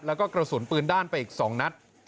แล้วก็กระสุนปืนด้านไปอีก๒นัด